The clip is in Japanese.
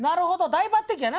大抜てきやな